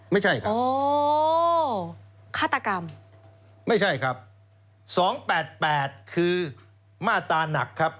ไม่ใช่ครับอ๋อฆาตกรรมไม่ใช่ครับสองแปดแปดคือมาตราหนักครับ